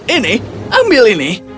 ini ambil ini